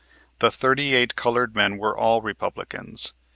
The thirty eight colored men were all Republicans.